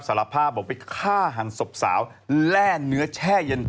สารภาพบอกไปฆ่าหันศพสาวแร่เนื้อแช่เย็น